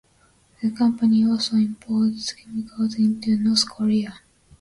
The company also imports chemicals into North Korea.